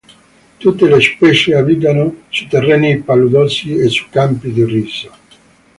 Tutte le specie abitano su terreni paludosi e su campi di riso.